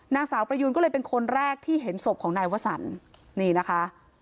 นางสาวประยูนก็เลยเป็นคนแรกที่เห็นศพของนายวสันนี่นะคะ